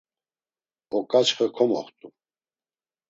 Oǩaçxe komoxt̆u.